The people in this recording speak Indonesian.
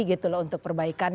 gitu loh untuk perbaikannya